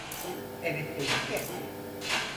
Evet dedik ya!